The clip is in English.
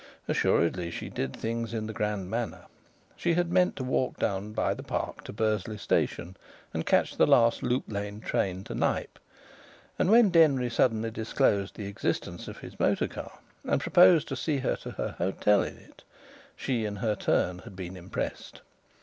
Assuredly she did things in the grand manner. She had meant to walk down by the Park to Bursley Station and catch the last loop line train to Knype, and when Denry suddenly disclosed the existence of his motor car, and proposed to see her to her hotel in it, she in her turn had been impressed.